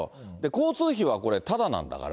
交通費はこれ、ただなんだから。